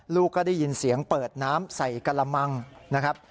ลูกก็ได้ยินเสียงเปิดน้ำใส่กระมังนะครับ